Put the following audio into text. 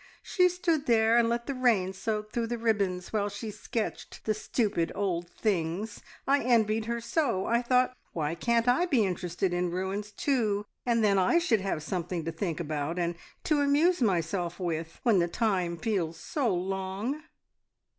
"She stood there and let the rain soak through the ribbons while she sketched the stupid old things. I envied her so! I thought, `Why can't I be interested in ruins too, and then I should have something to think about, and to amuse myself with when the time feels so long?'"